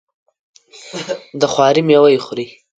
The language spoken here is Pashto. د خواري میوه یې خوري.